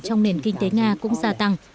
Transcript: trong nền kinh tế nga cũng gia tăng